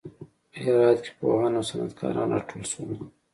په هرات کې پوهان او صنعت کاران راټول شول.